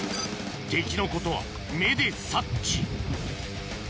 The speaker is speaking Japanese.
敵のことは目で察知